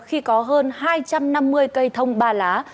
khi có hơn hai trăm năm mươi cây thông ba lá